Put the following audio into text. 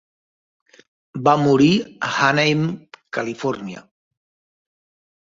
Va morir a Anaheim, Califòrnia.